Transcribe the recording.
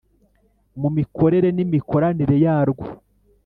Mu mikorere n imikoranire yarwo